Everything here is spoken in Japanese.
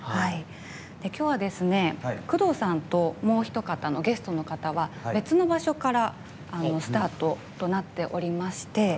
今日はですね、宮藤さんともうお一方、ゲストの方は別の場所からスタートとなっておりまして。